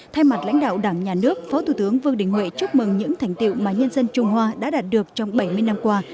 thay mặt lãnh đạo đảng nhà nước phó thủ tướng vương đình huệ chúc mừng những thành tiệu mà nhân dân trung hoa đã đạt được trong bảy mươi năm qua